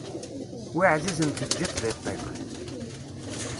Wi εzizen teǧǧiḍ-t di ṭṭiq